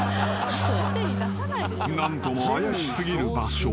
［何とも怪し過ぎる場所。